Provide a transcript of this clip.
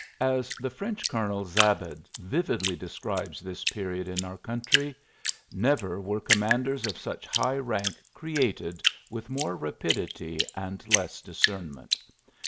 As the French Colonel Szabad vividly describes this period in our country: *^ Never were commanders of such high rank created with more rapidity and less discernment.